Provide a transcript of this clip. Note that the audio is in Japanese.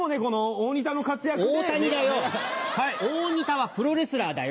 大仁田はプロレスラーだよ。